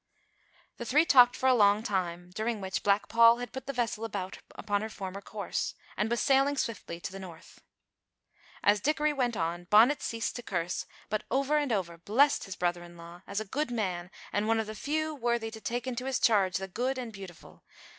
The three talked for a long time, during which Black Paul had put the vessel about upon her former course, and was sailing swiftly to the north. As Dickory went on, Bonnet ceased to curse, but, over and over, blessed his brother in law, as a good man and one of the few worthy to take into his charge the good and beautiful.